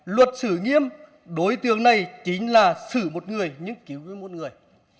luật xử nghiêm đối tượng này chính là xử một người nhưng cứu với một người